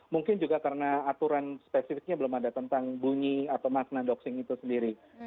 mungkin juga karena aturan spesifiknya belum ada tentang bunyi atau makna doxing itu sendiri